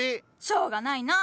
しょうがないな！